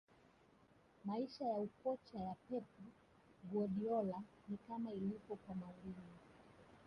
maisha ya ukocha ya pep guardiola ni kama ilivyo kwa mourinho